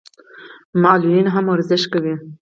معلولین هم ورزش کوي.